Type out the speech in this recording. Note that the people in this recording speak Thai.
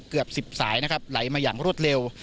เกือบ๑๐สายนะครับไหลมาอย่างรวดเร็ว